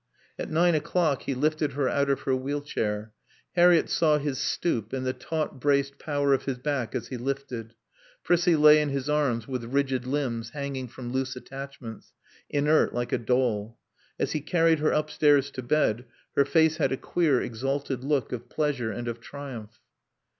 At nine o'clock he lifted her out of her wheel chair. Harriett saw his stoop, and the taut, braced power of his back as he lifted. Prissie lay in his arms with rigid limbs hanging from loose attachments, inert, like a doll. As he carried her upstairs to bed her face had a queer, exalted look of pleasure and of triumph.